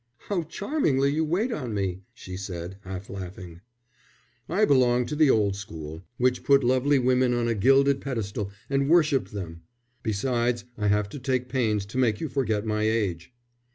"How charmingly you wait on me," she said, half laughing. "I belong to the old school which put lovely women on a gilded pedestal and worshipped them. Besides, I have to take pains to make you forget my age."